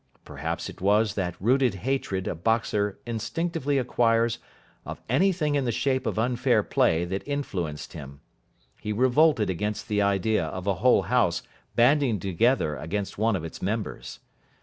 Perhaps it was that rooted hatred a boxer instinctively acquires of anything in the shape of unfair play that influenced him. He revolted against the idea of a whole house banding together against one of its members.